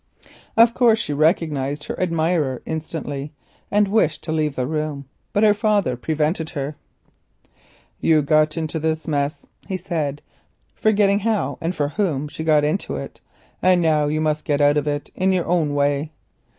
Of course she recognised her admirer instantly, and wished to leave the room, but her father prevented her. "You got into this mess," he said, forgetting how and for whom she got into it, "and now you must get out of it in your own way."